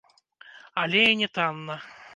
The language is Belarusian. Але і не танна.